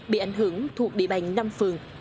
bị ảnh hưởng thuộc địa bàn năm phường